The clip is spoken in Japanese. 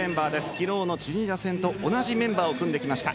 昨日のチュニジア戦と同じメンバーを組んできました。